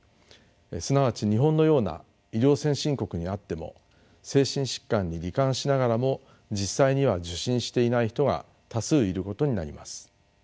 すなわち日本のような医療先進国にあっても精神疾患に罹患しながらも実際には受診していない人が多数いることになります。